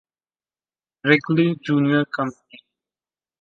Wrigley Junior Company.